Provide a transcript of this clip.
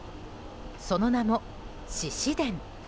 その名も獅子殿。